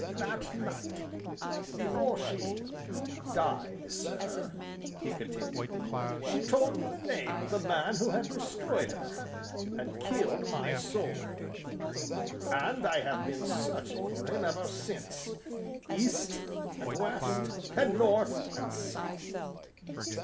"That night before she died, sir," he continued, "she told me the name of the man who had destroyed her, and killed my soul; and I have been searching for him ever since east, and west, and north, and south.